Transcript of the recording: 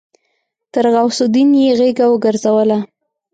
تر غوث الدين يې غېږه وګرځوله.